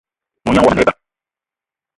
Mognan yomo a ne eba